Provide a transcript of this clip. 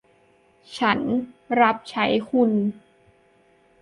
ฉันรับใช้คุณ